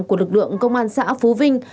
của lực lượng công an xã phú vinh